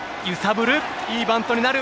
いいバントになる。